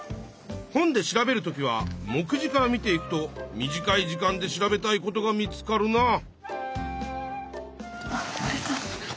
本で調べる時は目次から見ていくと短い時間で調べたいことが見つかるな。